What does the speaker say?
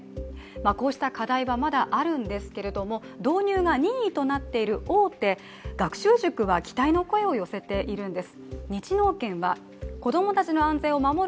こうした課題はまだあるんですけど導入が任意となっている大手学習塾は期待の声を寄せているんです。